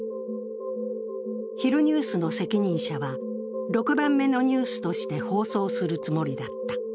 昼ニュースの責任者は、６番目のニュースとして放送するつもりだった。